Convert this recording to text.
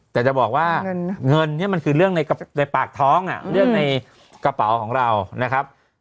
แต่จะบอกว่าเงินเนี่ยมันคือเรื่องในปากท้องเรื่องในกระเป๋าของเรานะครับ